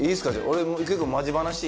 俺結構。